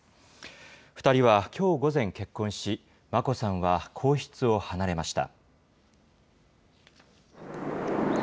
２人はきょう午前結婚し、眞子さんは、皇室を離れました。